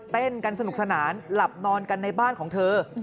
เต้นกันสนุกสนานหลับนอนกันในบ้านของเธอ